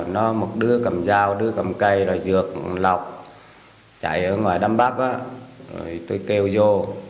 nó một đứa cầm dao đứa cầm cây rồi dược lọc chạy ở ngoài đám bắp á rồi tôi kêu vô